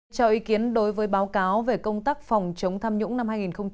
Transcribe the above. chào ý kiến đối với báo cáo về công tác phòng chống tham nhũng năm hai nghìn một mươi tám